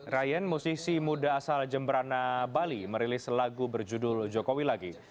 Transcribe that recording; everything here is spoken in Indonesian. ryan musisi muda asal jemberana bali merilis lagu berjudul jokowi lagi